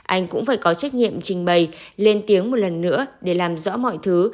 anh cũng phải có trách nhiệm trình bày lên tiếng một lần nữa để làm rõ mọi thứ